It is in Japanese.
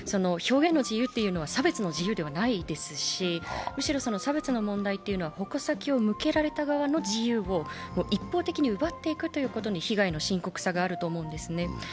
表現の自由というのは差別の自由ではないですしむしろ差別の問題というのは、矛先を向けられた側の自由を一方的に奪っていくところに被害の深刻さがあるんですね。